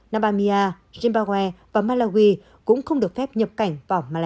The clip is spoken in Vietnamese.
narbania zimbabwe và malawi cũng không được phép nhập cảnh vào malaysia